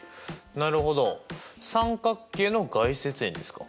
なるほど三角形の外接円ですか。